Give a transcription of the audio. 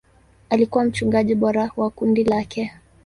Alikuwa mchungaji bora wa kundi lake.